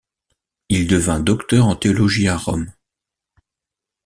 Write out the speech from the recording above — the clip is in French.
Il devint docteur en théologie à Rome.